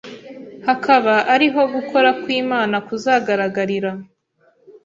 hakaba ari ho gukora kw’Imana kuzagaragarira